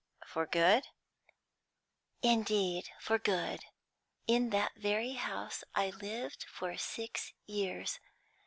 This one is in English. "For good?" "Indeed, for good. In that very house I lived for six years.